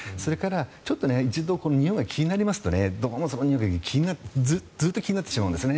ちょっとにおいが気になるとどうもそのにおいがずっと気になってしまうんです。